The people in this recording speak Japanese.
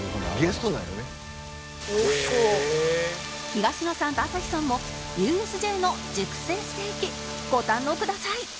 東野さんと朝日さんも ＵＳＪ の熟成ステーキご堪能ください